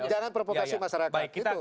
jangan provokasi masyarakat